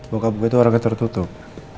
bokap gue tuh orang yang tertutup